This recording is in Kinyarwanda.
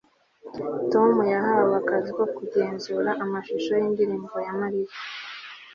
Tom yahawe akazi ko kugenzura amashusho yindirimbo ya Mariya